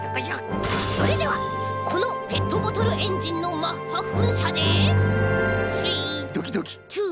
それではこのペットボトルエンジンのマッハふんしゃでスリー。